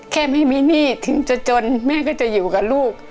แค่ไม่มีหนี้ถึงจะจนแม่ก็จะอยู่กับลูก